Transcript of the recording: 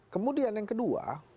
kemudian yang kedua